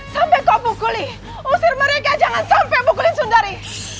sampai kau pukuli usir mereka jangan sampai pukulin sundari